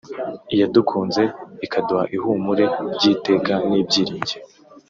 iyadukunze ikaduha ihumure ry’iteka n’ibyiringiro